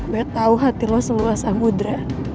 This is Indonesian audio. gue tau hati lo seluas samudera